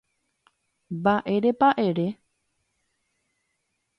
Mba'érepa ere